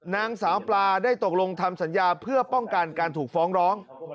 นางสาวปลาได้ตกลงทำสัญญาเพื่อป้องกันการถูกฟ้องร้อง